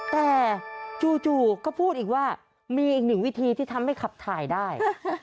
แต่จู่ก็พูดอีกว่ามีอีกหนึ่งวิธีที่ทำให้ขับถ่ายได้